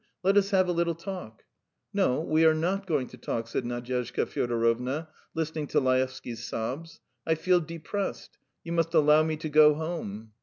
Let us have a little talk." "No, we are not going to talk," said Nadyezhda Fyodorovna, listening to Laevsky's sobs. "I feel depressed. ... You must allow me to go home."